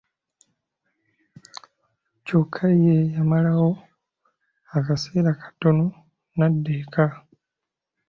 Kyokka ye yamalawo akaseera katono n'adda eka.